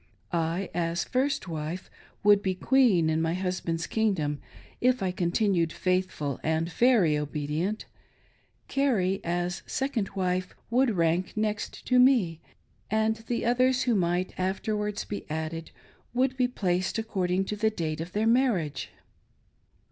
I, as first wife, would be queen in my husband's kingdom, if I continued faithful and very obedient : Carrie, as second wife, would rank next to me ; and the others who might afterwards be added would be placed according to the date of their marriage.